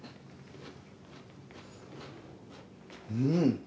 うん！